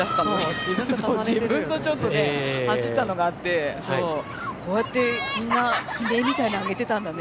自分の走ったのがあってこうやってみんな悲鳴みたいなの上げてたんだね。